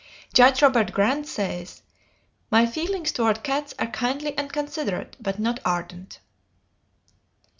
Judge Robert Grant says, "My feelings toward cats are kindly and considerate, but not ardent."